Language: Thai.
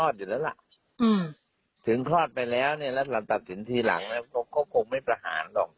สิ่งที่คลอดไปแล้วแล้วนักตัดสินทีหลังก็ไม่ประหารหรอก